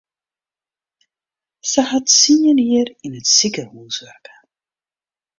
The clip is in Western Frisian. Se hat tsien jier yn it sikehús wurke.